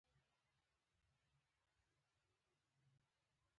پیسو ته ضرورت درلود.